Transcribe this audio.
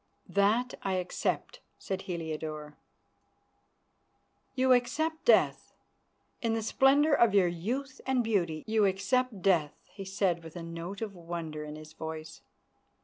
"That I accept," said Heliodore. "You accept death. In the splendour of your youth and beauty, you accept death," he said, with a note of wonder in his voice.